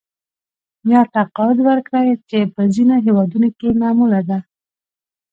یا تقاعد ورکړه چې په ځینو هېوادونو کې معموله ده